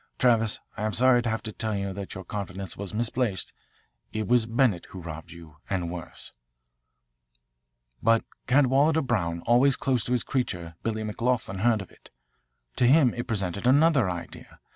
Travis, I am sorry to have to tell you that your confidence was misplaced. It was Bennett who robbed you and worse. "But Cadwalader Brown, always close to his creature, Billy McLoughlin, heard of it. To him it presented another idea.